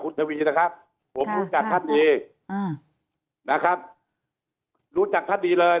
คุณทวีนะครับผมรู้จักท่านดีอ่านะครับรู้จักท่านดีเลย